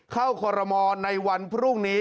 เข้าควรมในวันพรุ่งนี้